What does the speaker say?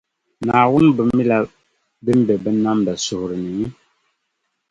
Naawuni bi mila din be binnamda suhiri ni?